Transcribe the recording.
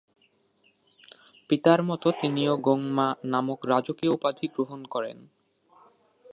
পিতার মত তিনিও গোং-মা নামক রাজকীয় উপাধি গ্রহণ করেন।